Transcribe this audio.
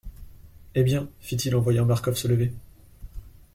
Eh bien ? fit-il en voyant Marcof se lever.